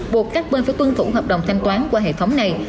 buộc các bên phải tuân thủ hợp đồng thanh toán qua hệ thống này